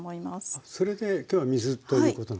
あそれできょうは水ということなんですね。